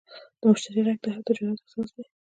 د مشتری غږ د هر تجارت اساس دی.